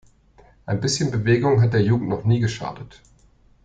Ein bisschen Bewegung hat der Jugend noch nie geschadet!